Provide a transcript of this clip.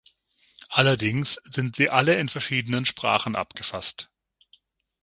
Allerdings sind sie alle in verschiedenen Sprachen abgefasst.